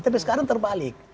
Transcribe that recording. tapi sekarang terbalik